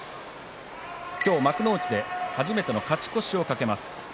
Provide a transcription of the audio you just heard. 今日、幕内で初めての勝ち越しをかけます。